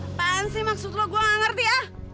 apaan sih maksud lo gue gak ngerti ya